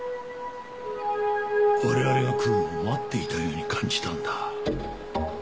我々が来るのを待っていたように感じたんだ。